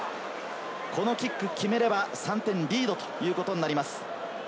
このキックを決めれば３点リードということになります。